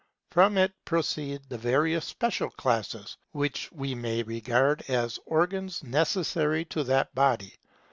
From it proceed the various special classes, which we may regard as organs necessary to that body.